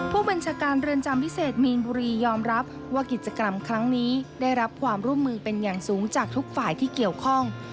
ผู้บัญชาการเรือนจำพิเศษมีนบุรียอมรับว่ากิจกรรมครั้งนี้ได้รับความร่วมมือเป็นอย่างสูงจากทุกฝ่ายที่เกี่ยวข้อง